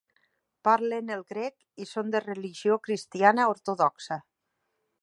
Parlen el grec i són de religió cristiana ortodoxa.